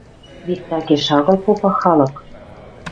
Вет такеш агыл попа халык: